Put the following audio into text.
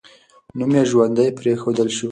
نوم یې ژوندی پرېښودل سو.